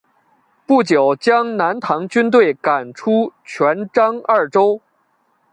不久将南唐军队赶出泉漳二州。